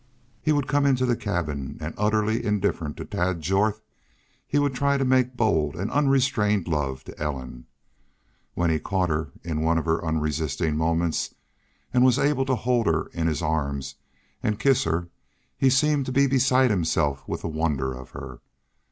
He would come into the cabin and, utterly indifferent to Tad Jorth, he would try to make bold and unrestrained love to Ellen. When he caught her in one of her unresisting moments and was able to hold her in his arms and kiss her he seemed to be beside himself with the wonder of her.